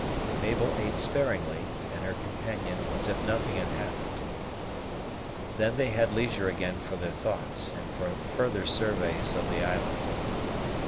Mabel ate sparingly, and her companion, as if nothing had happened. Then they had leisure again for their thoughts, and for further surveys of the island.